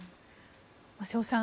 瀬尾さん